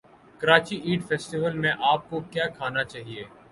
Karachi eat festival میں اپ کو کیا کھانا چاہیے